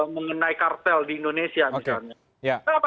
mengenai kartel di indonesia misalnya